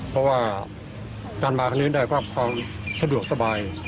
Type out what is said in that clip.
เพราะว่าการมาที่นี่ได้ความสะดวกสบาย